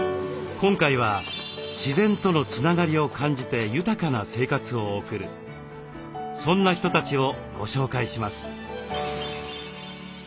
今回は自然とのつながりを感じて豊かな生活を送るそんな人たちをご紹介します。